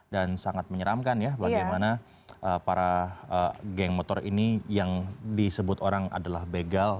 dan sangat menyeramkan ya bagaimana para geng motor ini yang disebut orang adalah begal